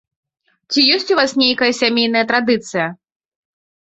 Ці ёсць у вас нейкая сямейная традыцыя?